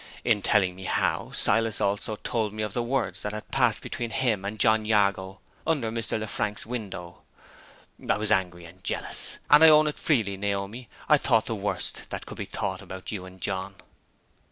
In telling me how, Silas also told me of the words that had passed between him and John Jago under Mr. Lefrank's window. I was angry and jealous; and I own it freely, Naomi, I thought the worst that could be thought about you and John."